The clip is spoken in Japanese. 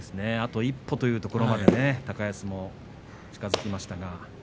あと一歩というところまで高安が近づきましたが。